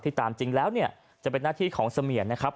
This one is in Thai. ตามจริงแล้วเนี่ยจะเป็นหน้าที่ของเสมียรนะครับ